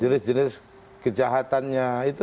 jenis jenis kejahatannya itu